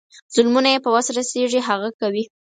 ظلمونه یې په وس رسیږي هغه کوي.